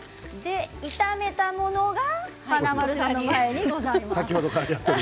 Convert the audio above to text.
炒めたものが華丸さんの前にございます。